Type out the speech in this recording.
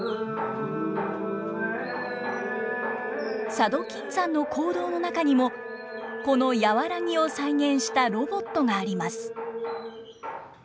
佐渡金山の坑道の中にもこの「やわらぎ」を再現したロボットがあります。